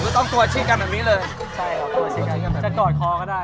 ต้องกวาดคอก็ได้อ่ะ